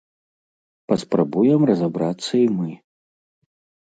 Паспрабуем разабрацца і мы.